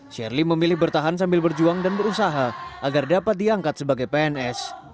shirley memilih bertahan sambil berjuang dan berusaha agar dapat diangkat sebagai pns